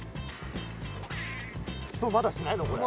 沸騰まだしないのこれ？